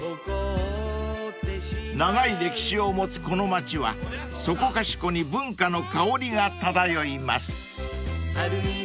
［長い歴史を持つこの町はそこかしこに文化の薫りが漂います］